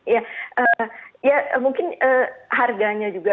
ya mungkin harganya juga